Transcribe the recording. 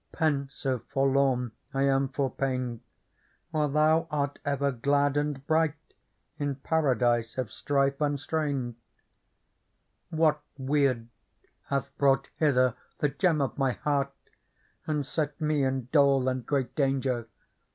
Pensive, forlorn, I am for pained. While thou art ever glad and bright In Paradise, of strife unstrained. What weird hath brought hither the gem of my heart, And set me in dole and great danger